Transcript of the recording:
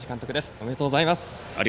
ありがとうございます。